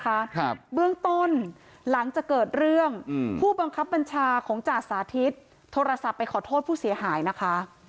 ครับเบื้องต้นหลังจากเกิดเรื่องอืมผู้บังคับบัญชาของจ่าสาธิตโทรศัพท์ไปขอโทษผู้เสียหายนะคะ